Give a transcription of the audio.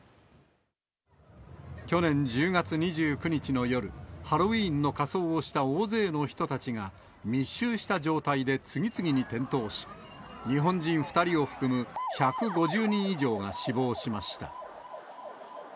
去年１０月２９日の夜、ハロウィーンの仮装をした大勢の人たちが、密集した状態で次々に転倒し、日本人２人を含む１５０人以上が死亡しました。